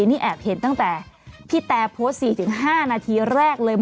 นี่แอบเห็นตั้งแต่พี่แตโพสต์๔๕นาทีแรกเลย